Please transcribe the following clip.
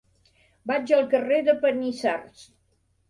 Vaig al carrer de Panissars.